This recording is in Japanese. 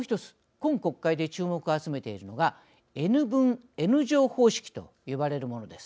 今国会で注目を集めているのがＮ分Ｎ乗方式と言われるものです。